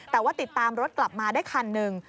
แต่ว่าติดตามรถกลับมาได้คันหนึ่ง